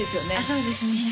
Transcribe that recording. そうですね